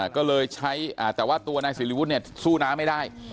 ก็เลยใช้แต่ว่าตัวนายสิริวุฒิเนี่ยสู้น้าไม่ได้